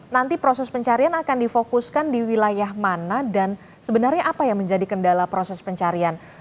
nanti proses pencarian akan difokuskan di wilayah mana dan sebenarnya apa yang menjadi kendala proses pencarian